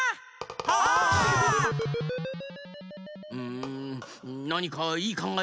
んなにかいいかんがえはないか？